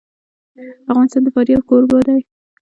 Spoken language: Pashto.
افغانستان د فاریاب کوربه دی.